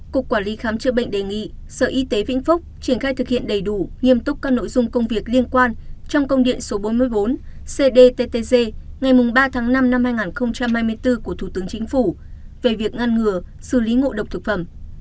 cục quản lý khám chữa bệnh đề nghị sở y tế vĩnh phúc triển khai thực hiện đầy đủ nghiêm túc các nội dung công việc liên quan trong công điện số bốn mươi bốn cdttg ngày ba tháng năm năm hai nghìn hai mươi bốn của thủ tướng chính phủ về việc ngăn ngừa xử lý ngộ độc thực phẩm